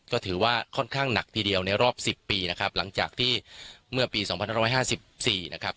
ก็ถือว่าค่อนข้างหนักทีเดียวในรอบสิบปีนะครับหลังจากที่เมื่อปีสองพันร้อยห้าสิบสี่นะครับ